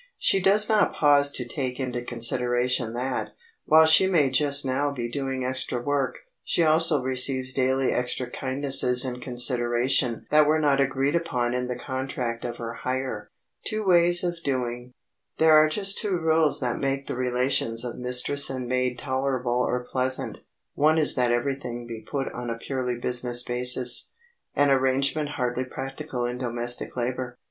She does not pause to take into consideration that, while she may just now be doing extra work, she also receives daily extra kindnesses and consideration that were not agreed upon in the contract of her hire. [Sidenote: TWO WAYS OF DOING] There are just two rules that make the relations of mistress and maid tolerable or pleasant. One is that everything be put on a purely business basis—an arrangement hardly practical in domestic labor.